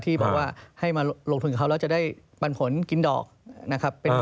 ที่บอกว่าให้มาลงทุนกับเขาแล้วจะได้ปันผลกินดอกนะครับ